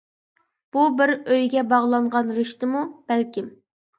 بۇ بىر ئۆيگە باغلانغان رىشتىمۇ؟ بەلكىم.